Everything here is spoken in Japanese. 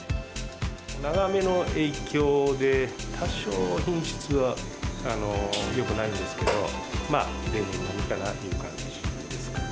長雨の影響で、多少品質はよくないんですけど、まあ、例年並みかなっていう感じですかね。